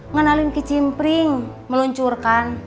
ngenalin kicimpring meluncurkan